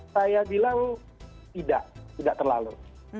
saya bilang tidak tidak terlalu